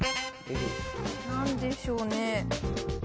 何でしょうね？